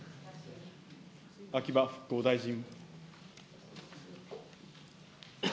秋葉復興大臣。